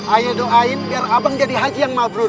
ayo doain biar abang jadi haji yang mafrud